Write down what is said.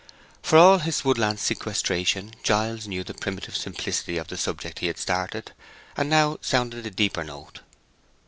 For all his woodland sequestration, Giles knew the primitive simplicity of the subject he had started, and now sounded a deeper note.